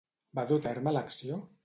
Va dur a terme l'acció?